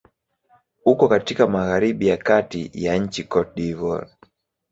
Uko katika magharibi ya kati ya nchi Cote d'Ivoire.